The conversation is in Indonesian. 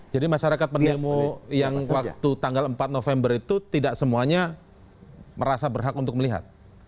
jadi masyarakat penemu yang waktu tanggal empat november itu tidak semuanya merasa berhak untuk melihat